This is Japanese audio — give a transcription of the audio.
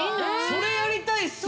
それやりたいっす。